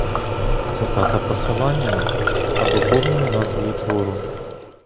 Цитата посиланням або повною назвою твору.